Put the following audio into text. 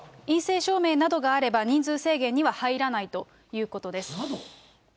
陰性証明などがあれば人数制限には入らないということです。